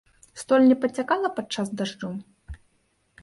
Столь не падцякала падчас дажджу?